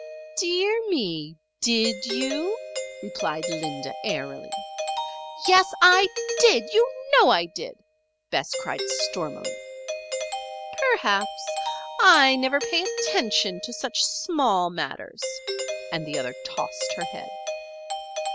"Dear me! did you?" responded Linda, airily. "Yes, I did! You know I did!" Bess cried stormily. "Perhaps. I never pay attention to such small matters," and the other tossed her head.